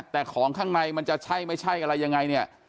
แต่ของข้างในมันจะใช่ไม่ใช่อะไรยังไงเนี่ย